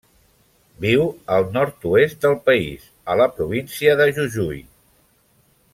Viu al nord-oest del país, a la província de Jujuy.